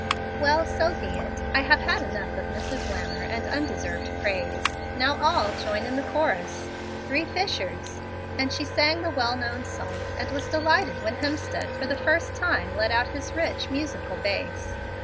"Well, so be it. I have had enough of Mrs. Lammer and undeserved praise. Now all join in the chorus. "Three fishers " and she sang the well known song, and was delighted when Hemstead, for the first time, let out his rich, musical bass.